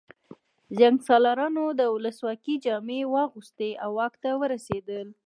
جنګسالارانو د ولسواکۍ جامې واغوستې او واک ته ورسېدل